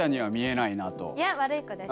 いや悪い子です。